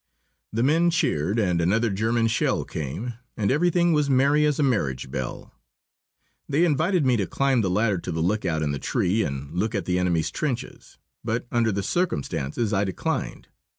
The men cheered, and another German shell came, and everything was merry as a marriage bell. They invited me to climb the ladder to the lookout in the tree and look at the enemy's trenches. But under the circumstances I declined.